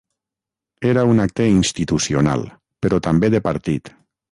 Era un acte institucional, però també de partit.